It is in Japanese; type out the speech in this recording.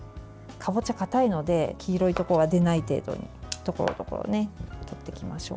かぼちゃ、かたいので黄色いところが出ない程度にところどころ取っていきましょう。